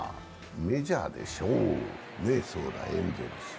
メジャーでしょう、そうだエンゼルス。